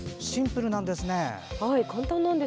シンプルなんですね。